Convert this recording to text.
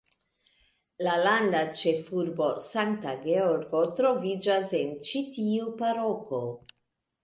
La landa ĉefurbo, Sankta Georgo troviĝas en ĉi tiu paroko.